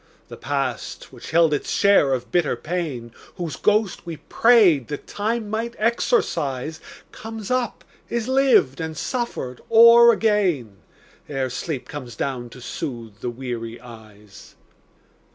The past which held its share of bitter pain, Whose ghost we prayed that Time might exorcise, Comes up, is lived and suffered o'er again, Ere sleep comes down to soothe the weary eyes.